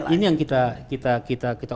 ini yang kita